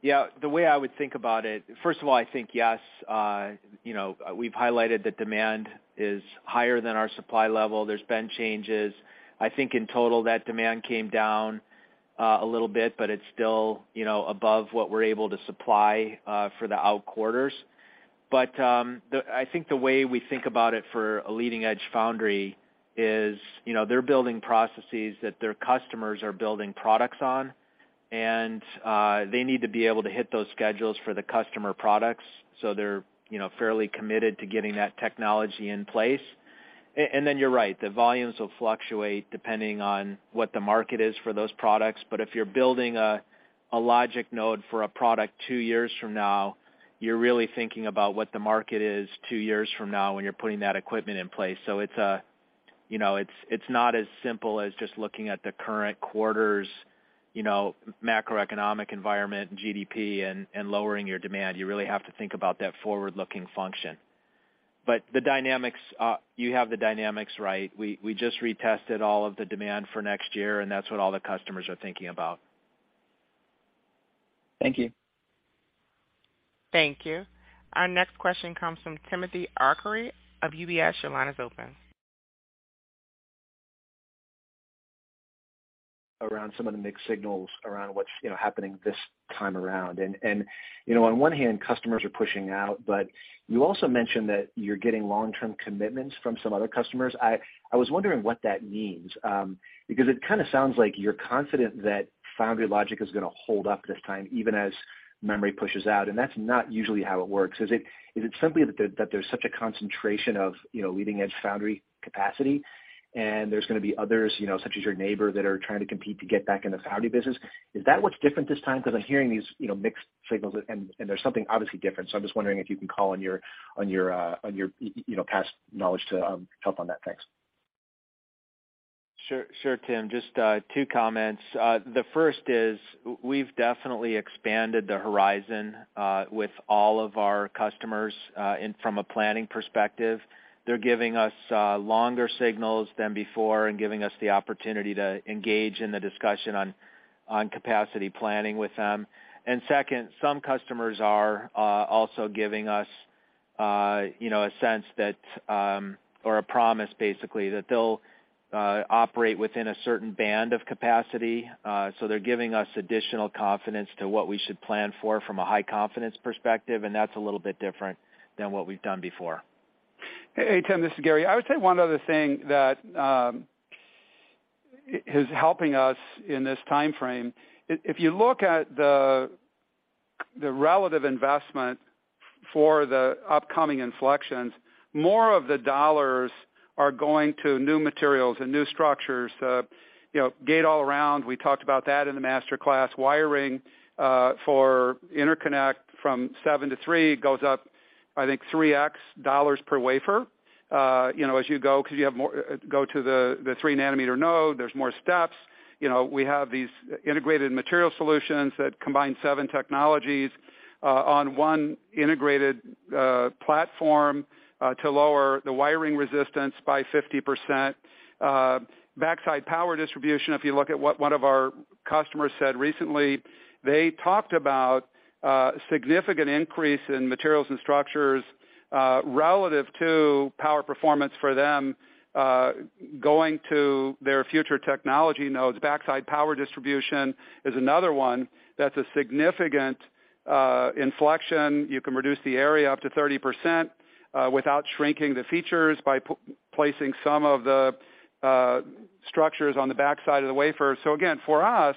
Yeah, the way I would think about it, first of all, I think yes, you know, we've highlighted that demand is higher than our supply level. There's been changes. I think in total, that demand came down a little bit, but it's still you know, above what we're able to supply for the out quarters. I think the way we think about it for a leading-edge foundry is, you know, they're building processes that their customers are building products on, and they need to be able to hit those schedules for the customer products, so they're you know, fairly committed to getting that technology in place. Then you're right. The volumes will fluctuate depending on what the market is for those products. If you're building a logic node for a product two years from now, you're really thinking about what the market is two years from now when you're putting that equipment in place. It's, you know, not as simple as just looking at the current quarter's, you know, macroeconomic environment, GDP, and lowering your demand. You really have to think about that forward-looking function. The dynamics, you have the dynamics right. We just retested all of the demand for next year, and that's what all the customers are thinking about. Thank you. Thank you. Our next question comes from Timothy Arcuri of UBS. Your line is open. Around some of the mixed signals around what's, you know, happening this time around. You know, on one hand, customers are pushing out, but you also mentioned that you're getting long-term commitments from some other customers. I was wondering what that means, because it kinda sounds like you're confident that foundry logic is gonna hold up this time, even as memory pushes out, and that's not usually how it works. Is it simply that there's such a concentration of, you know, leading-edge foundry capacity, and there's gonna be others, you know, such as your neighbor, that are trying to compete to get back in the foundry business? Is that what's different this time? 'Cause I'm hearing these, you know, mixed signals and there's something obviously different, so I'm just wondering if you can call on your, you know, past knowledge to help on that. Thanks. Sure, Tim. Just two comments. The first is we've definitely expanded the horizon with all of our customers and from a planning perspective. They're giving us longer signals than before and giving us the opportunity to engage in the discussion on capacity planning with them. Second, some customers are also giving us you know, a sense that or a promise basically, that they'll operate within a certain band of capacity. So they're giving us additional confidence as to what we should plan for from a high confidence perspective, and that's a little bit different than what we've done before. Hey, Tim, this is Gary. I would say one other thing that is helping us in this timeframe. If you look at the relative investment for the upcoming inflections, more of the dollars are going to new materials and new structures. You know, Gate-all-around, we talked about that in the master class. Wiring for interconnect from seven to three goes up, I think, 3x dollars per wafer. You know, as you go, 'cause you have more go to the 3 nm node, there's more steps. You know, we have these integrated material solutions that combine seven technologies on one integrated platform to lower the wiring resistance by 50%. Backside power distribution, if you look at what one of our customers said recently, they talked about significant increase in materials and structures relative to power performance for them going to their future technology nodes. Backside power distribution is another one that's a significant inflection. You can reduce the area up to 30% without shrinking the features by placing some of the structures on the backside of the wafer. Again, for us,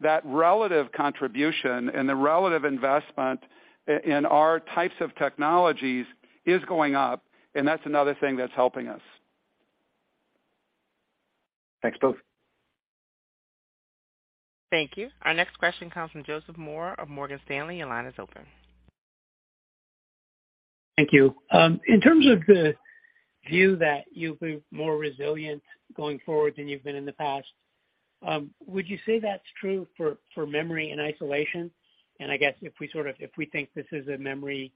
that relative contribution and the relative investment in our types of technologies is going up, and that's another thing that's helping us. Thanks both. Thank you. Our next question comes from Joseph Moore of Morgan Stanley. Your line is open. Thank you. In terms of the view that you'll be more resilient going forward than you've been in the past, would you say that's true for memory in isolation? I guess if we think this is a memory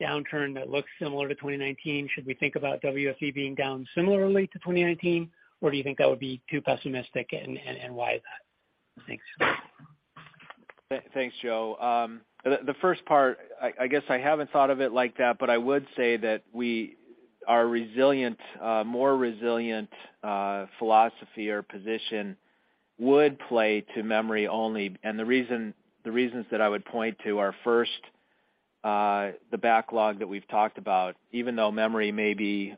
downturn that looks similar to 2019, should we think about WFE being down similarly to 2019, or do you think that would be too pessimistic and why is that? Thanks. Thanks, Joe. The first part, I guess I haven't thought of it like that, but I would say that we are resilient, more resilient. Philosophy or position would play to memory only. The reasons that I would point to are first, the backlog that we've talked about, even though memory may be,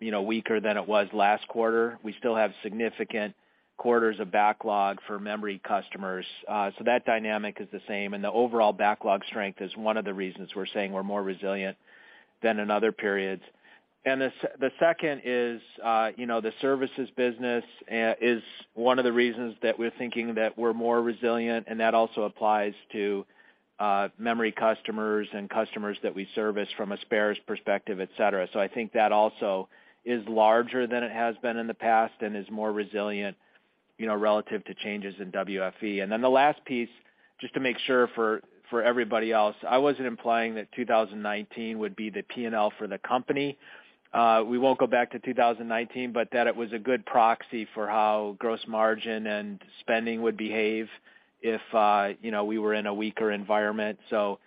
you know, weaker than it was last quarter, we still have significant quarters of backlog for memory customers. So that dynamic is the same, and the overall backlog strength is one of the reasons we're saying we're more resilient than in other periods. The second is, you know, the services business is one of the reasons that we're thinking that we're more resilient, and that also applies to memory customers and customers that we service from a spares perspective, et cetera. I think that also is larger than it has been in the past and is more resilient, you know, relative to changes in WFE. The last piece, just to make sure for everybody else, I wasn't implying that 2019 would be the P&L for the company. We won't go back to 2019, but that it was a good proxy for how gross margin and spending would behave if, you know, we were in a weaker environment. Just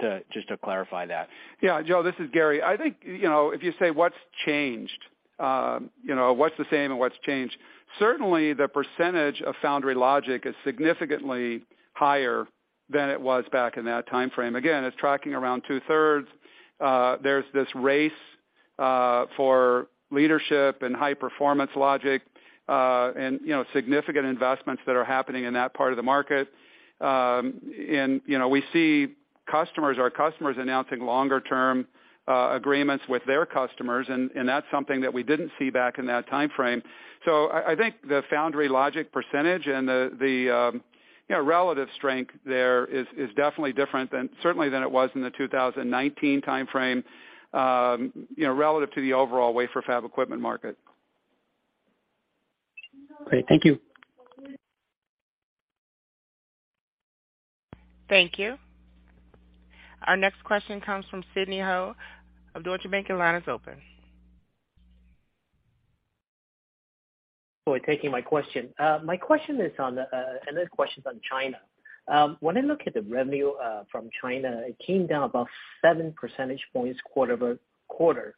to clarify that. Yeah. Joe, this is Gary. I think, you know, if you say what's changed, you know, what's the same and what's changed, certainly the percentage of foundry logic is significantly higher than it was back in that timeframe. Again, it's tracking around 2/3. There's this race for leadership and high-performance logic, and, you know, significant investments that are happening in that part of the market. You know, we see customers, our customers announcing longer-term agreements with their customers, and that's something that we didn't see back in that timeframe. I think the foundry logic percentage and the, you know, relative strength there is definitely different than, certainly than it was in the 2019 timeframe, you know, relative to the overall wafer fab equipment market. Great. Thank you. Thank you. Our next question comes from Sidney Ho of Deutsche Bank. Your line is open. For taking my question. My question is on China. When I look at the revenue from China, it came down about 7 percentage points quarter-over-quarter.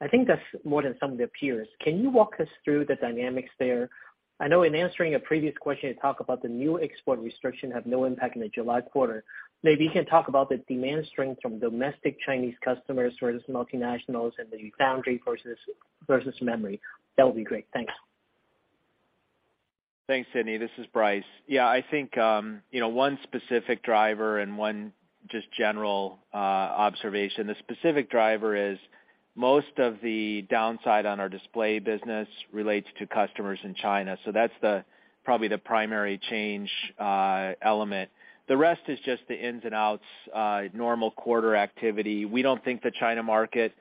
I think that's more than some of their peers. Can you walk us through the dynamics there? I know in answering a previous question, you talked about the new export restriction have no impact in the July quarter. Maybe you can talk about the demand strength from domestic Chinese customers versus multinationals and the foundry versus memory. That would be great. Thanks. Thanks, Sidney. This is Brice. Yeah. I think, you know, one specific driver and one just general observation. The specific driver is most of the downside on our display business relates to customers in China, so that's the, probably the primary change, element. The rest is just the ins and outs, normal quarter activity. We don't think the China market,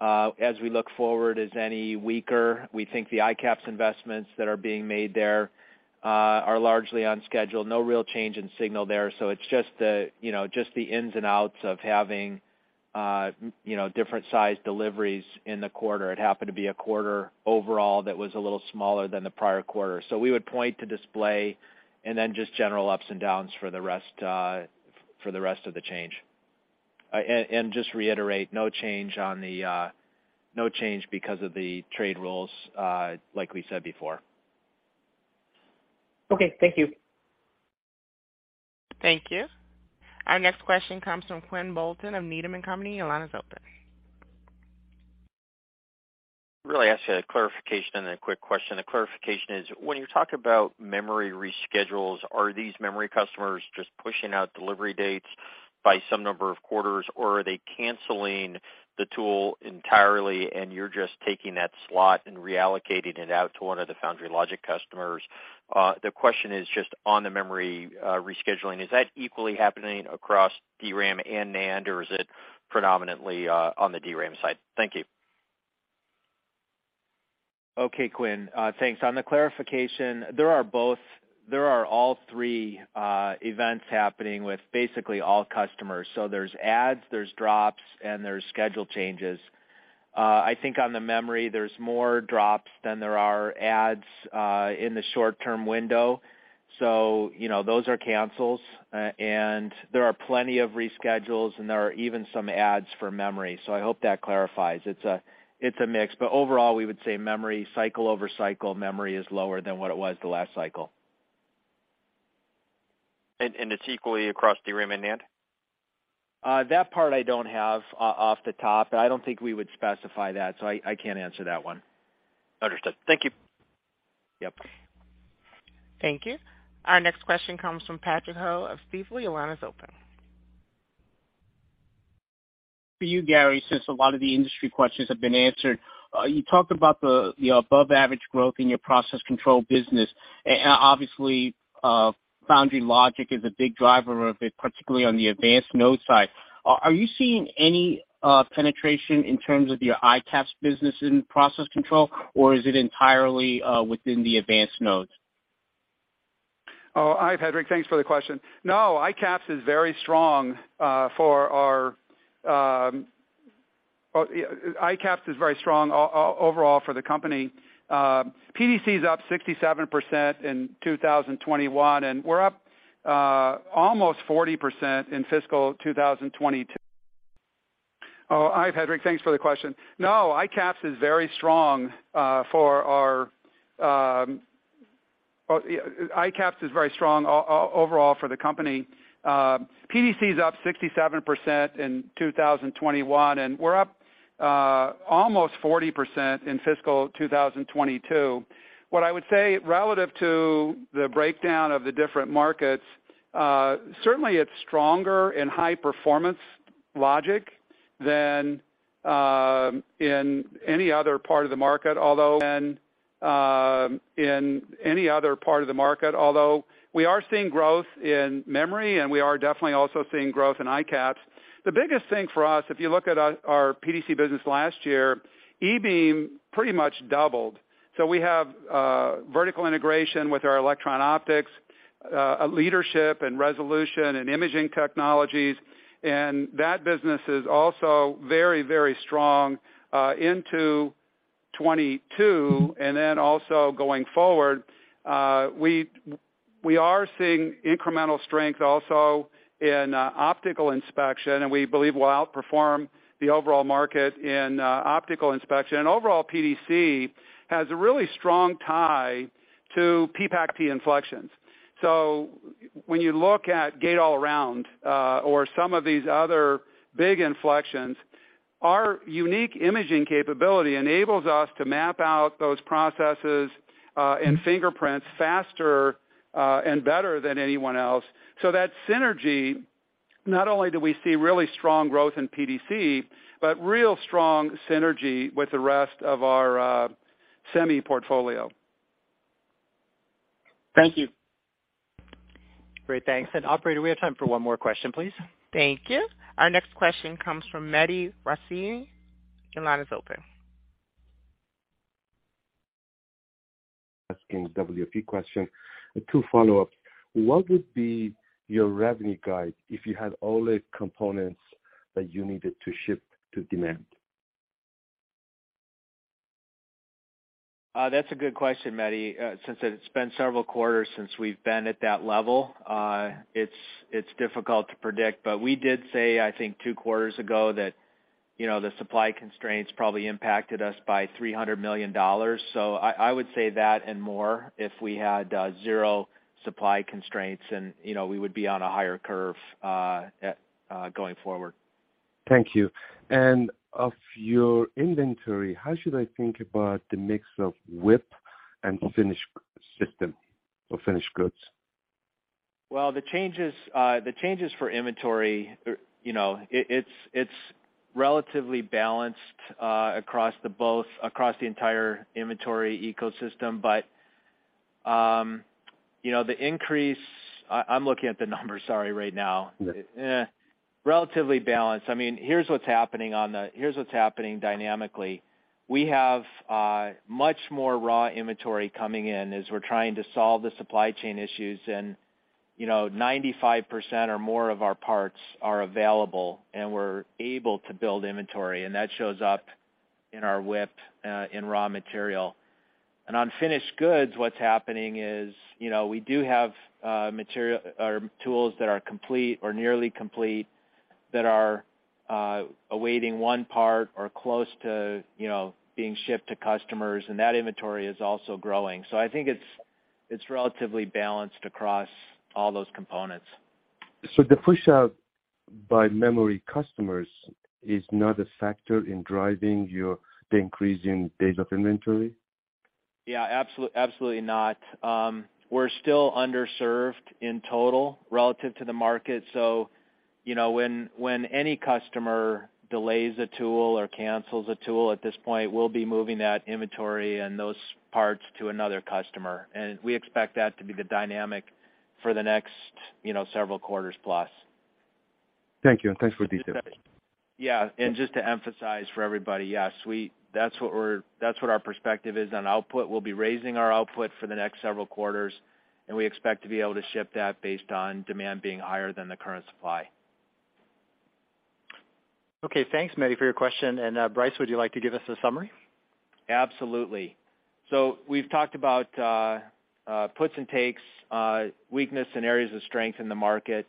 as we look forward, is any weaker. We think the ICAPS investments that are being made there, are largely on schedule. No real change in signal there. So it's just the, you know, just the ins and outs of having, you know, different size deliveries in the quarter. It happened to be a quarter overall that was a little smaller than the prior quarter. We would point to display and then just general ups and downs for the rest of the change. Just reiterate no change because of the trade rules, like we said before. Okay. Thank you. Thank you. Our next question comes from Quinn Bolton of Needham & Company. Your line is open. Let me ask you a clarification and a quick question. The clarification is, when you talk about memory reschedules, are these memory customers just pushing out delivery dates by some number of quarters, or are they canceling the tool entirely and you're just taking that slot and reallocating it out to one of the foundry logic customers? The question is just on the memory rescheduling. Is that equally happening across DRAM and NAND, or is it predominantly on the DRAM side? Thank you. Okay, Quinn. Thanks. On the clarification, there are both. There are all three events happening with basically all customers. There's adds, there's drops, and there's schedule changes. I think on the memory, there's more drops than there are adds in the short-term window. You know, those are cancels. And there are plenty of reschedules, and there are even some adds for memory. I hope that clarifies. It's a mix, but overall, we would say memory cycle over cycle memory is lower than what it was the last cycle. It's equally across DRAM and NAND? That part I don't have off the top, and I don't think we would specify that, so I can't answer that one. Understood. Thank you. Yep. Thank you. Our next question comes from Patrick Ho of Stifel. Your line is open. For you, Gary, since a lot of the industry questions have been answered, you talked about the above average growth in your process control business. Obviously, foundry and logic is a big driver of it, particularly on the advanced node side. Are you seeing any penetration in terms of your ICAPS business in process control, or is it entirely within the advanced nodes? Oh, hi, Patrick. Thanks for the question. No, ICAPS is very strong overall for the company. PDC is up 67% in 2021, and we're up almost 40% in fiscal 2022. Oh, hi, Patrick Ho. Thanks for the question. No, ICAPS is very strong overall for the company. PDC is up 67% in 2021, and we're up almost 40% in fiscal 2022. What I would say relative to the breakdown of the different markets, certainly it's stronger in high performance logic than in any other part of the market, although we are seeing growth in memory, and we are definitely also seeing growth in ICAPS. The biggest thing for us, if you look at our PDC business last year, eBeam pretty much doubled. We have vertical integration with our electron optics leadership and resolution and imaging technologies. That business is also very, very strong into 2022 and then also going forward. We are seeing incremental strength also in optical inspection, and we believe we'll outperform the overall market in optical inspection. Overall PDC has a really strong tie to PPAC inflections. When you look at gate-all-around or some of these other big inflections, our unique imaging capability enables us to map out those processes and fingerprints faster and better than anyone else. That synergy, not only do we see really strong growth in PDC, but real strong synergy with the rest of our semi portfolio. Thank you. Great. Thanks. Operator, we have time for one more question, please. Thank you. Our next question comes from Mehdi Hosseini. Your line is open. Asking WFE question. Two follow-ups. What would be your revenue guide if you had all the components that you needed to ship to demand? That's a good question, Mehdi. Since it's been several quarters since we've been at that level, it's difficult to predict. We did say, I think two quarters ago, that, you know, the supply constraints probably impacted us by $300 million. I would say that and more if we had zero supply constraints and, you know, we would be on a higher curve going forward. Thank you. Of your inventory, how should I think about the mix of WIP and finished system or finished goods? Well, the changes for inventory, you know, it's relatively balanced across the entire inventory ecosystem. You know, the increase. I'm looking at the numbers, sorry, right now. Right. Relatively balanced. I mean, here's what's happening dynamically. We have much more raw inventory coming in as we're trying to solve the supply chain issues. You know, 95% or more of our parts are available, and we're able to build inventory, and that shows up in our WIP in raw material. On finished goods, what's happening is, you know, we do have material or tools that are complete or nearly complete that are awaiting one part or close to being shipped to customers, and that inventory is also growing. I think it's relatively balanced across all those components. The push out by memory customers is not a factor in driving the increase in days of inventory? Yeah, absolutely not. We're still underserved in total relative to the market. You know, when any customer delays a tool or cancels a tool, at this point we'll be moving that inventory and those parts to another customer. We expect that to be the dynamic for the next, you know, several quarters plus. Thank you. Thanks for the details. Yeah. Just to emphasize for everybody, yes, that's what our perspective is on output. We'll be raising our output for the next several quarters, and we expect to be able to ship that based on demand being higher than the current supply. Okay. Thanks, Mehdi, for your question. Brice, would you like to give us a summary? Absolutely. We've talked about puts and takes, weakness and areas of strength in the market.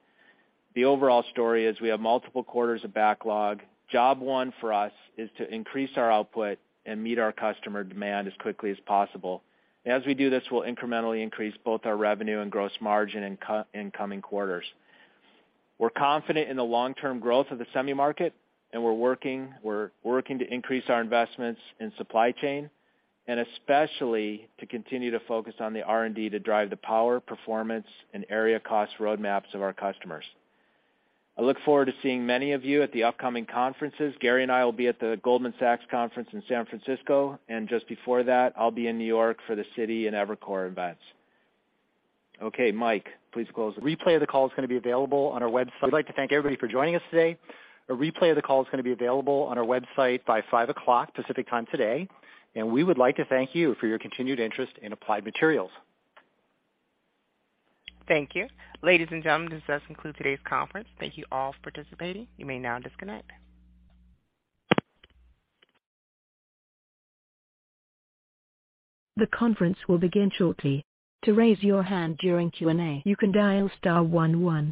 The overall story is we have multiple quarters of backlog. Job one for us is to increase our output and meet our customer demand as quickly as possible. As we do this, we'll incrementally increase both our revenue and gross margin in coming quarters. We're confident in the long-term growth of the semi market, and we're working to increase our investments in supply chain and especially to continue to focus on the R&D to drive the power, performance and area cost roadmaps of our customers. I look forward to seeing many of you at the upcoming conferences. Gary and I will be at the Goldman Sachs conference in San Francisco, and just before that, I'll be in New York for the Citi and Evercore events. Okay, Mike, please close. A replay of the call is going to be available on our website. We'd like to thank everybody for joining us today. A replay of the call is gonna be available on our website by 5:00 P.M. Pacific Time today. We would like to thank you for your continued interest in Applied Materials. Thank you. Ladies and gentlemen, this does conclude today's conference. Thank you all for participating. You may now disconnect. The conference will begin shortly. To raise your hand during Q&A, you can dial star one one.